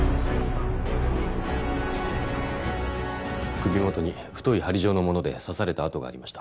首元に太い針状のもので刺された痕がありました。